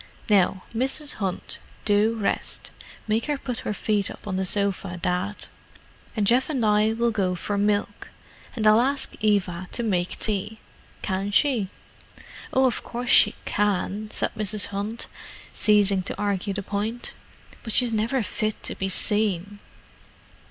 "Now, Mrs. Hunt, do rest—make her put her feet up on the sofa, Dad. And Geoff and I will go for milk, and I'll ask Eva to make tea. Can she?" "Oh, of course she can" said Mrs. Hunt, ceasing to argue the point. "But she's never fit to be seen."